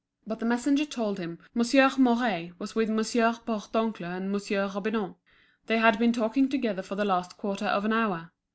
But the messenger told him Monsieur Mouret was with Monsieur Bourdoncle and Monsieur Robineau; they had been talking together for the last quarter of an hour.